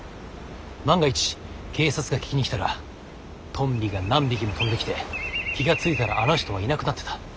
万が一警察が聞きに来たら「トンビが何匹も飛んできて気が付いたらあの人はいなくなってた」